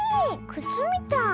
くつみたい。